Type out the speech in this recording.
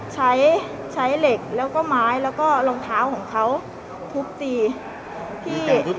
ใช้ใช้เหล็กแล้วก็ไม้แล้วก็รองเท้าของเขาทุบตีที่